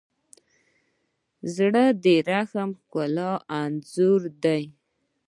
زړه د رحم ښکلی انځور دی.